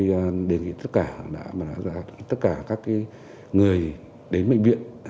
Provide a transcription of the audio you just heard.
tôi đề nghị tất cả các người đến bệnh viện